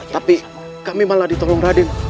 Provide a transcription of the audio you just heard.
tapi kami malah ditolong raden